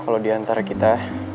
kalau diantara kita